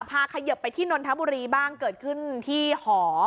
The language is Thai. ขยิบไปที่นนทบุรีบ้างเกิดขึ้นที่หอ